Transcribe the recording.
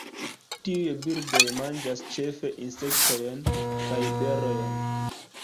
Tiuj birdoj manĝas ĉefe insektojn kaj berojn.